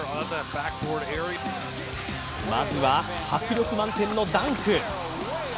まずは迫力満点のダンク。